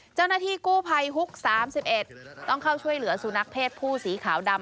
เจ้าหน้าที่กู้ภัยฮุก๓๑ต้องเข้าช่วยเหลือสุนัขเพศผู้สีขาวดำ